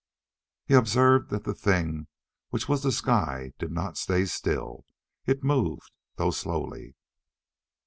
He observed that the thing which was the sky did not stay still. It moved, though slowly.